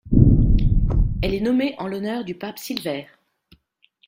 Elle est nommée en l'honneur du Pape Silvère.